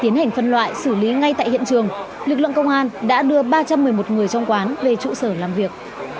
tiến hành phân loại xử lý ngay tại hiện trường lực lượng công an đã đưa ba trăm một mươi một người trong quán về trụ sở làm việc